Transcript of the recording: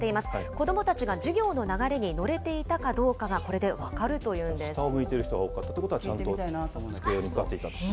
子どもたちが授業の流れに乗れていたかどうかがこれで分かるとい下を向いてる人が多かったということは、ちゃんと机に向かっていたと。